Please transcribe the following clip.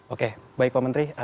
oke baik pak menteri